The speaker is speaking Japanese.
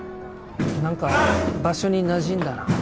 何か場所に馴染んだな。